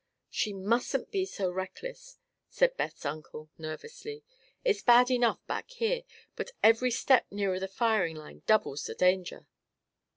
"She mustn't be so reckless," said Beth's uncle, nervously. "It's bad enough back here, but every step nearer the firing line doubles the danger."